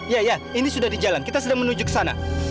ya ya ini sudah di jalan kita sudah menuju kesana